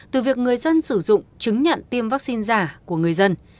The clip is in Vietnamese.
từ việc người dân sử dụng chứng nhận tiêm vaccine giả của người dân